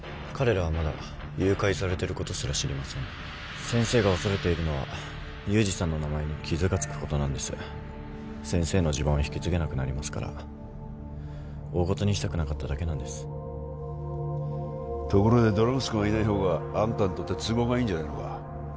彼らはまだ誘拐されていることすら知りません先生が恐れているのは裕司さんの名前に傷がつくことなんです先生の地盤を引き継げなくなりますから大ごとにしたくなかっただけなんですところでドラ息子がいないほうがあんたにとって都合がいいんじゃないのか？